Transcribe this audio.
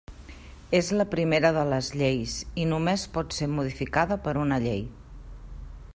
És la primera de les lleis, i només pot ser modificada per una llei.